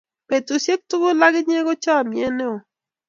petusiek tugul ak inye ko chamiet neo